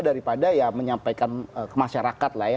daripada ya menyampaikan ke masyarakat lah ya